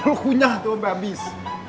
lo kunyah tuh sampe habis